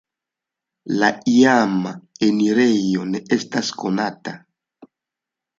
La iama enirejo ne estas konata.